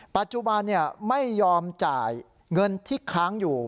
ปัจจุบันไม่ยอมจ่ายเงินที่ค้างอยู่